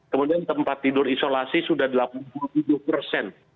kemudian tempat tidur isolasi sudah delapan puluh tujuh persen